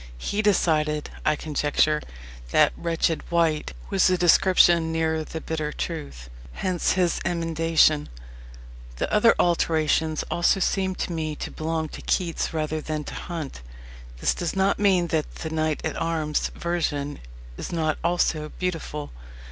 He decided, I conjecture, that "wretched wight" was a description nearer the bitter truth. Hence his emendation. The other alterations also seem to me to belong to Keats rather than to Hunt. This does not mean that the "knight at arms" version is not also beautiful.